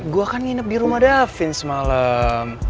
gua kan nginep di rumah davin semalem